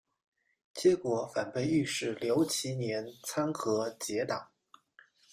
结果反被御史刘其年参劾结党。